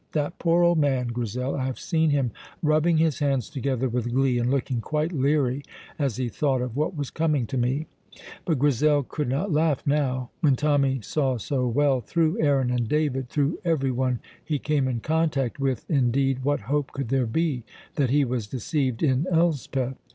That poor old man, Grizel! I have seen him rubbing his hands together with glee and looking quite leery as he thought of what was coming to me." But Grizel could not laugh now. When Tommy saw so well through Aaron and David, through everyone he came in contact with, indeed, what hope could there be that he was deceived in Elspeth?